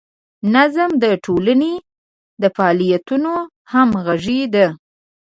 نظم د ټولنې د فعالیتونو همغږي ده.